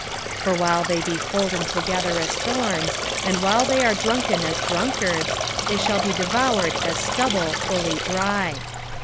1:10 For while they be folden together as thorns, and while they are drunken as drunkards, they shall be devoured as stubble fully dry.